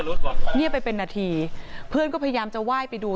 เงียบไปเป็นนาทีเพื่อนก็พยายามจะไหว้ไปดู